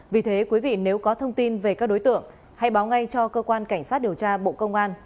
vì thế quý vị nếu có thông tin về các đối tượng hãy báo ngay cho cơ quan cảnh sát điều tra bộ công an